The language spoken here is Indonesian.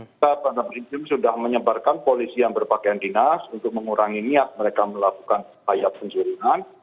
kita pada prinsip sudah menyebarkan polisi yang berpakaian dinas untuk mengurangi niat mereka melakukan upaya pencurian